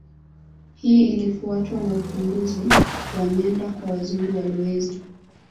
Hii ilifuatwa na ufunguzi wa nyanda kwa Wazungu walowezi